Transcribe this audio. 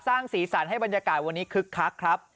สร้างสีสันให้บรรยากาศวันนี้คึกคักครับ